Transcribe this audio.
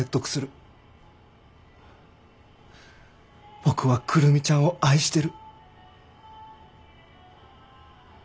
僕は久留美ちゃんを愛してる。